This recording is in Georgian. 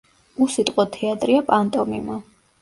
უსიტყვო თეატრია პანტომიმა.